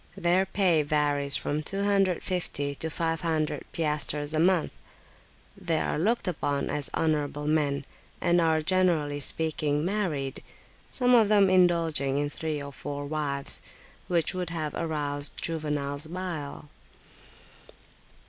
Their pay varies from 250 to 500 piastres a month: they are looked upon as honourable men, and are, generally speaking, married, some of them indulging in three or four wives, which would have aroused Juvenal's bile.